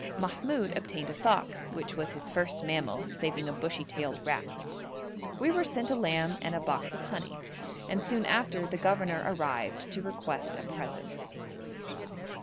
Mahmoud obtained a fox, which was his first mammal, saving a bushy tailed rat. We were sent a lamb and a box of honey, and soon after the governor arrived to request a present.